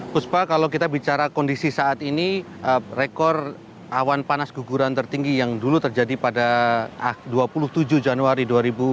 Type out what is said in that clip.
puspa kalau kita bicara kondisi saat ini rekor awan panas guguran tertinggi yang dulu terjadi pada dua puluh tujuh januari dua ribu dua puluh